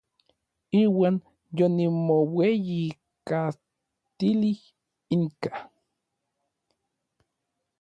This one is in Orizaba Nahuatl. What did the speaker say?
Iuan yonimoueyijkatilij inka.